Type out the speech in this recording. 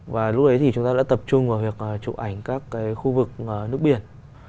và lúc đấy thì chúng ta đã tập trung vào việc chụp ảnh các cái khu vực nước biển